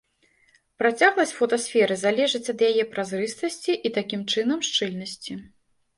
Працягласць фотасферы залежыць ад яе празрыстасці і, такім чынам, шчыльнасці.